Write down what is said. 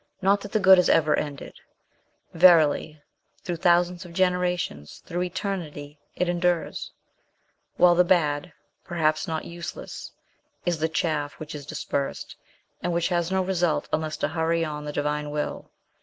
Not that the good is ever ended; verily, through thousands of generations, through eternity, it endures; while the bad perhaps not useless is the chaff which i* dispersed, and which has no result unless to hurry on the divine will.